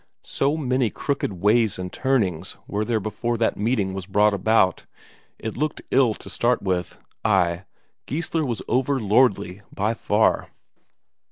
So many crooked ways and turnings were there before that meeting was brought about. It looked ill to start with; ay, Geissler was over lordly by far.